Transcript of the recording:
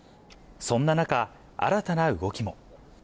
そんな中、新たな動きも。